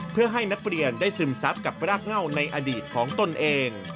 เพื่อให้นักเรียนได้ซึมซับกับรากเง่าในอดีตของตนเอง